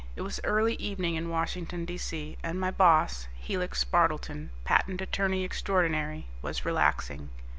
It was early evening in Washington, D.C., and my boss, Helix Spardleton, patent attorney extraordinary, was relaxing.